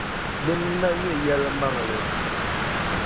Dina n-nyɛ yɛlimaŋli.